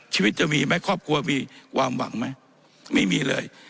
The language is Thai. ชีวิตจะมีไหมครอบครัวมีความหวังไหมไม่มีเลย